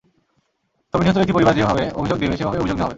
তবে নিহত ব্যক্তির পরিবার যেভাবে অভিযোগ দেবে, সেভাবেই অভিযোগ নেওয়া হবে।